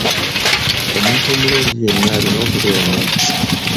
Omuntu omulungi yenna alina okubeera n’empisa.